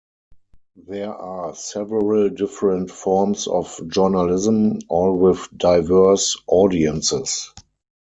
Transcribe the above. There are several different forms of journalism, all with diverse audiences.